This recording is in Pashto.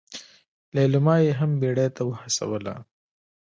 ليلما يې هم بيړې ته وهڅوله.